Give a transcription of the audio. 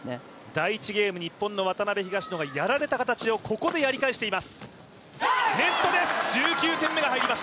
第１ゲーム、日本の渡辺・東野がやられた形をここでやり返しています。